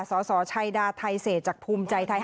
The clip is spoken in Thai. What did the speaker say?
สสชัยดาไทเศษจากภูมิใจไทย